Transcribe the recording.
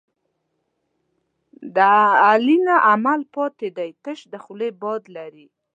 د علي نه عمل پاتې دی، تش د خولې باد لري.